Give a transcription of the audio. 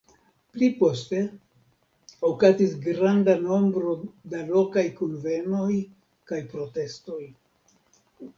Pli poste, okazis granda nombro da lokaj kunvenoj kaj protestoj.